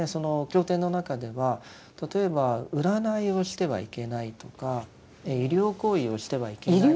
経典の中では例えば占いをしてはいけないとか医療行為をしてはいけない。